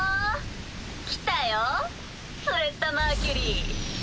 来たよスレッタ・マーキュリー。